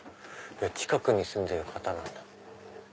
近くに住んでる方なんだ。